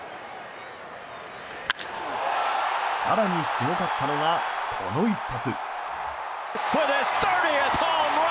更にすごかったのがこの一発。